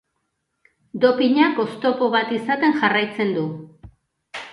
Dopinak oztopo bat izaten jarraitzen du.